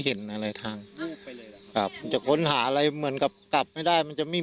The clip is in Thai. เห็นอะไรทางกลับจะค้นหาอะไรเหมือนกับกลับไม่ได้มันจะไม่